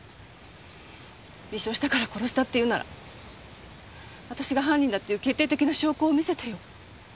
偽証したから殺したっていうなら私が犯人だっていう決定的な証拠を見せてよ。